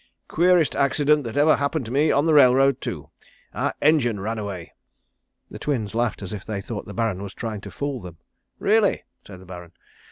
"Queerest accident that ever happened to me on the railroad, too. Our engine ran away." The Twins laughed as if they thought the Baron was trying to fool them. "Really," said the Baron.